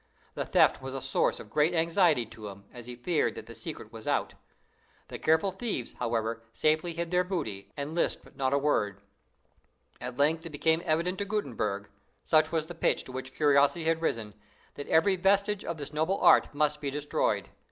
The theft was a source of great anxiety to him, as he feared that the secret was out. The careful thieves, however, safely hid their booty, and lisped not a word. At length it became evident to Gutenberg such was the pitch to which curiosity had risen that every vestige of the noble art must be destroyed.